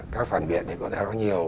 các phản biện còn đã có nhiều